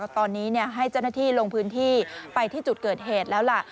ตอนนี้ให้เจ้าหน้าที่ลงพื้นที่ไปที่จุดเกิดเหตุแล้วล่ะ